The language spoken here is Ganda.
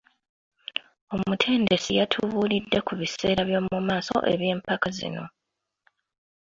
Omutendesi yatubuulidde ku biseera by'omu maaso eby'empaka zino.